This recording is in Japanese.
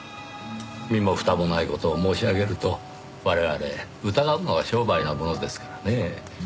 身も蓋もない事を申し上げると我々疑うのが商売なものですからねぇ。